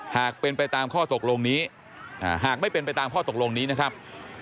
หากเป็นไปตามข้อตกลงนี้หากไม่เป็นไปตามข้อตกลงนี้นะครับ